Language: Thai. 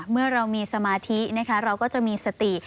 เมื่อเรามีสมาธินะคะเราก็จะมีสติ